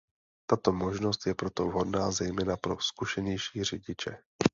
Tato možnost je proto vhodná zejména pro zkušenější řidiče.